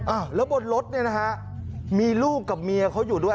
อ้าวแล้วบนรถเนี่ยนะฮะมีลูกกับเมียเขาอยู่ด้วย